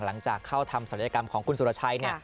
หลังจากเข้าทำศัลยกรรมของคุณสุรชัย